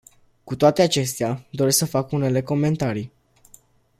Cu toate acestea, doresc să fac unele comentarii.